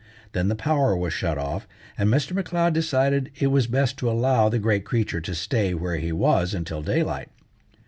Then the power was shut off, and Mr. M'Leod decided that it was best to allow the great creature to stay where he was until daylight.